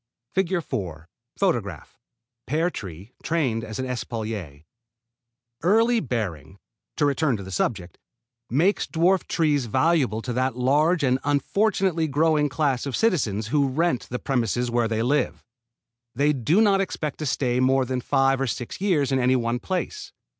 [Illustration: FIG. 4 PEAR TREE, TRAINED AS AN ESPALIER] Early bearing to return to the subject makes dwarf trees valuable to that large and unfortunately growing class of citizens who rent the premises where they live. They do not expect to stay more than five or six years in any one place.